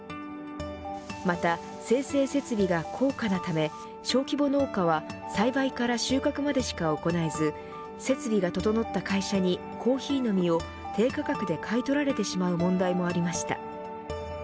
また精製設備が高価なため小規模農家は栽培から収穫までしか行えず設備が整った会社にコーヒーの実を低価格で買い取られてしまう問題もありました。